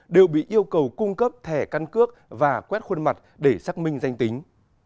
đều bị yêu cầu cung cấp thẻ căn cước và quét khuôn mặt để xác minh danh tính